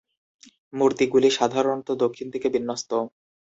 মূর্তিগুলি সাধারণত দক্ষিণ দিকে বিন্যস্ত।